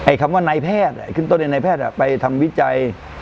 คำว่านายแพทย์ขึ้นต้นนายแพทย์ไปทำวิจัย